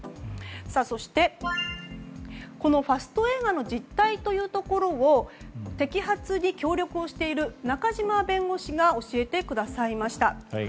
そして、ファスト映画の実態というところを摘発に協力をしている中島弁護士が教えてくださりました。